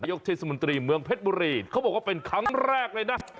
เทศมนตรีเมืองเพชรบุรีเขาบอกว่าเป็นครั้งแรกเลยนะ